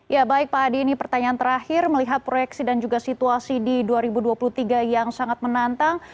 ya baik pak adi ini pertanyaan terakhir melihat proyeksi dan juga situasi di dua ribu dua puluh tiga yang sangat menantang